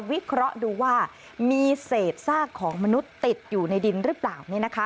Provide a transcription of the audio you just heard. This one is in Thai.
วิเคราะห์ดูว่ามีเศษซากของมนุษย์ติดอยู่ในดินหรือเปล่า